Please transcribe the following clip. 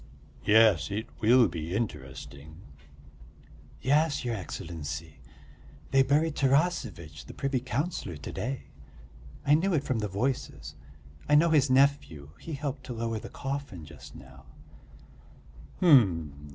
"Yes, it will be interesting." "Yes, your Excellency, they buried Tarasevitch, the privy councillor, to day. I knew it from the voices. I know his nephew, he helped to lower the coffin just now."